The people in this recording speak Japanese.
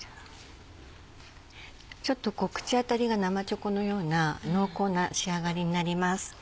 ちょっとこう口当たりが生チョコのような濃厚な仕上がりになります。